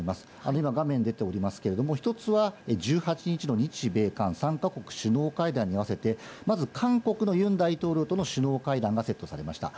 今画面出ておりますけれども、１つは１８日の日米韓３か国首脳会談に合わせて、まず韓国のユン大統領との首脳会談がセットされました。